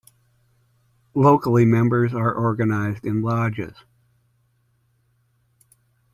Locally, members are organised in lodges.